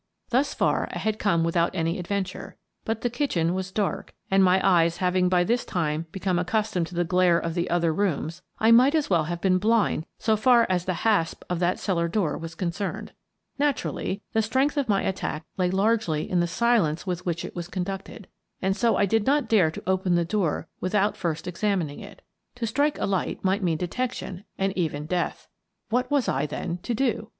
Thus far I had come without any adventure, but the kitchen was dark and, my eyes having by this time become accustomed to the glare of the other rooms, I might as well have been blind so far as the hasp of that cellar door was concerned. Nat urally, the strength of my attack lay largely in the silence with which it was conducted, and so I did not dare to open the door without first examining it To strike a light might mean detection and even death. What was I, then, to do?